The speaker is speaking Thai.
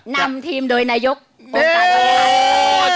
นำทีมโดยนายกโอปการณ์โดยรัฐ